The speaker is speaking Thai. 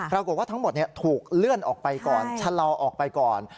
ปรากฏว่าทั้งหมดถูกเลื่อนออกไปก่อนชะลอออกไปก่อน